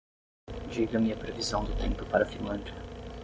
Diga-me a previsão do tempo para a Finlândia